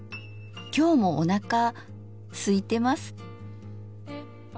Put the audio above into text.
今日もおなかすいてます。